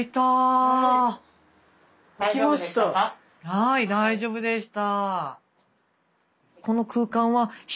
はい大丈夫でした。